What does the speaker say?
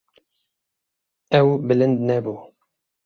Ew bilind nebû.